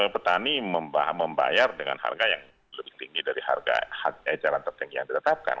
petani membayar dengan harga yang lebih tinggi dari harga eceran tertinggi yang ditetapkan